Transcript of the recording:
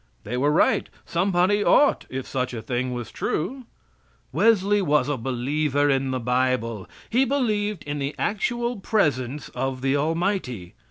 They were right; somebody ought, if such thing was true. Wesley was a believer in the Bible. He believed in the actual presence of the Almighty.